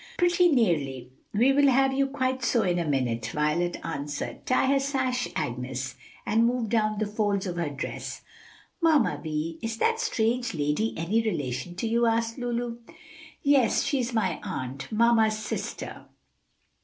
"Pretty nearly; we will have you quite so in a minute," Violet answered. "Tie her sash Agnes, and smooth down the folds of her dress." "Mamma Vi, is that strange lady any relation to you?" asked Lulu. "Yes, she is my aunt, mamma's sister."